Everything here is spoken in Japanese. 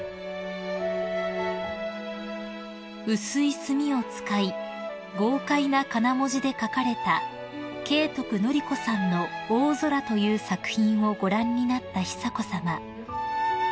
［薄い墨を使い豪快な仮名文字で書かれた慶徳紀子さんの『大空』という作品をご覧になった久子さま］